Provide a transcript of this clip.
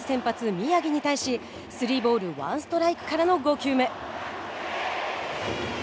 宮城に対しスリーボールワンストライクからの５球目。